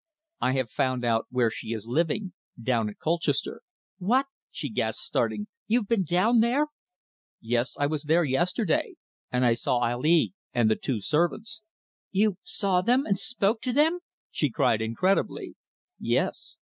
"I have found out where she is living down at Colchester." "What?" she gasped, starting. "You've been down there?" "Yes, I was there yesterday, and I saw Ali and the two servants." "You saw them and spoke to them?" she cried incredibly. "Yes."